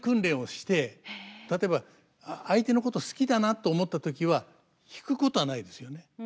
例えば相手のこと好きだなと思った時は引くことはないですよね。